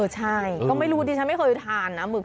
จริง